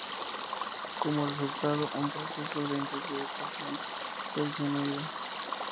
Como resultado, su proceso de intensificación fue disminuido.